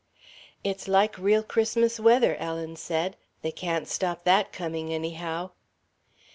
"It's like real Christmas weather," Ellen said. "They can't stop that coming, anyhow."